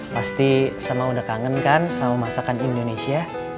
pasti sama udah kangen kan sama masakan indonesia